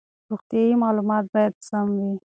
روغتیايي معلومات باید سم وي.